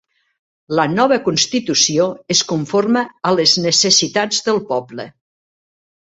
La nova constitució es conforma a les necessitats del poble.